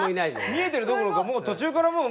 見えてるどころかもう途中から憑依されて。